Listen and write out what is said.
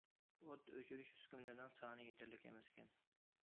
ئوت ئۆچۈرۈش ئۈسكۈنىلىرىنىڭ سانى يېتەرلىك ئەمەسكەن.